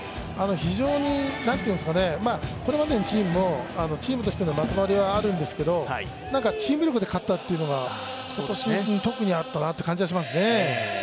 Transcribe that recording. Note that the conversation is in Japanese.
非常にこれまでのチームもチームとしてのまとまりはあるんですけどチーム力で勝ったのというのが今年特にあったなという感じがしますね。